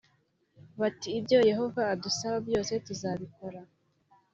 bati ibyo Yehova adusaba byose tuzabikora